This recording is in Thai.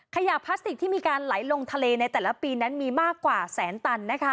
พลาสติกที่มีการไหลลงทะเลในแต่ละปีนั้นมีมากกว่าแสนตัน